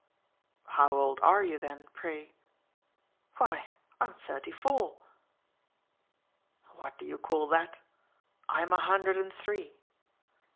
"How old are you then, pray?" "Why I'm thirty four." "What do you call that? I'm a hundred and three!"